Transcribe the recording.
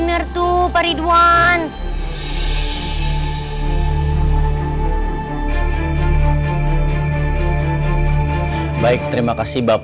aku akan menganggap